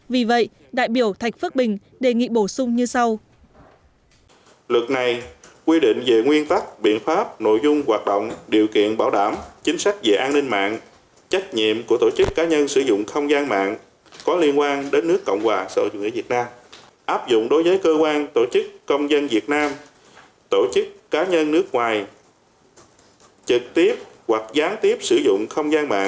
vì vậy đại biểu thạch phước bình đề nghị bổ sở